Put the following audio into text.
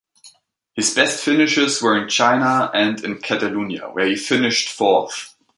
His best finishes were in China and in Catalunya, where he finished fourth.